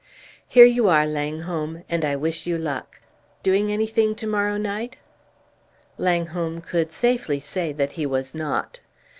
Here you are, Langholm, and I wish you luck. Doing anything to morrow night?" Langholm could safely say that he was not.